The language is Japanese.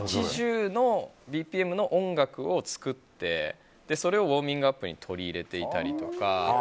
１８０のＢＰＭの音楽を作ってそれをウォーミングアップに取り入れていたりとか。